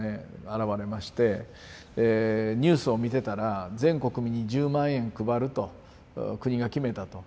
現れましてニュースを見てたら全国民に１０万円配ると国が決めたと。